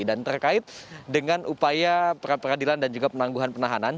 dan terkait dengan upaya peradilan dan juga penangguhan penahanan